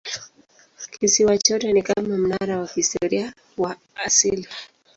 Kisiwa chote ni kama mnara wa kihistoria wa asili.